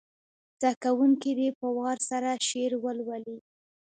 زده کوونکي دې په وار سره شعر ولولي.